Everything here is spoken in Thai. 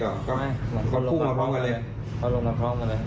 พวกผู้มาพร้อมกันเลย